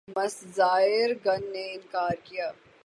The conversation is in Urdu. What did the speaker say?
مسز یئرگن نے اِنکار کِیا